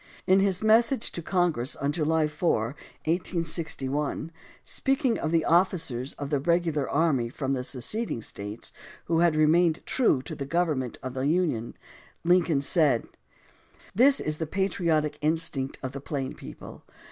In his message to Congress on July 4, 1861, speaking of the officers of the regular army from the seceding States who had remained true to the government of the Union, Lincoln said: This is the patriotic instinct of the plain people.